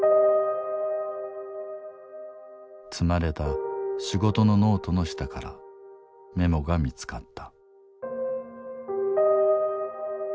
積まれた仕事のノートの下からメモが見つかった。